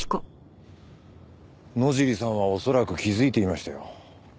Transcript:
野尻さんは恐らく気づいていましたよ。